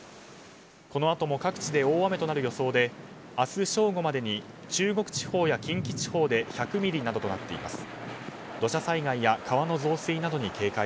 このあとも各地で大雨となる予想で明日正午までに中国地方や近畿地方で１００ミリなどとなっています。